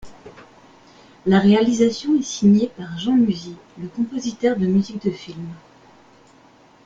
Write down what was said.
La réalisation est signée par Jean Musy le compositeur de musiques de films.